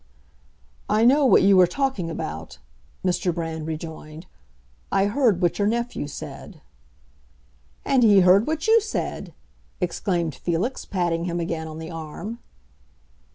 "I know what you are talking about," Mr. Brand rejoined. "I heard what your nephew said." "And he heard what you said!" exclaimed Felix, patting him again on the arm.